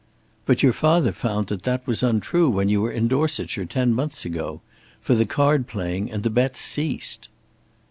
"But your father found that that was untrue when you were in Dorsetshire, ten months ago. For the card playing and the bets ceased."